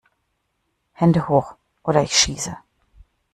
Hände hoch oder ich schieße!